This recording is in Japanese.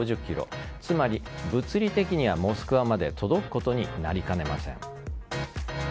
つまり物理的にはモスクワまで届くことになりかねません。